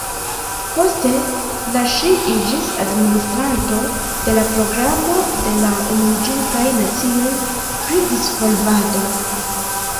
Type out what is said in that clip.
Poste, la ŝi iĝis administranto de la Programo de la Unuiĝintaj Nacioj pri Disvolvado.